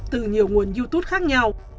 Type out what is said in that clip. từ nhiều nguồn youtube khác nhau